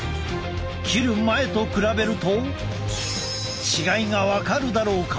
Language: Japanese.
切る前と比べると違いが分かるだろうか。